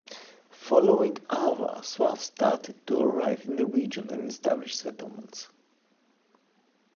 Following Avars, Slavs started to arrive in the region and establish settlements.